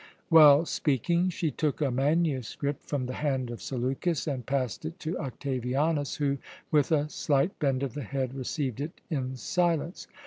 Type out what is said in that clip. While speaking, she took a manuscript from the hand of Seleukus and passed it to Octavianus who, with a slight bend of the head, received it in silence.